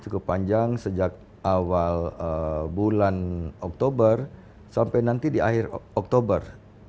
cukup panjang sejak awal bulan oktober sampai nanti di akhir oktober